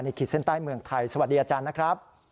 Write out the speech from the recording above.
ขีดเส้นใต้เมืองไทยสวัสดีอาจารย์นะครับ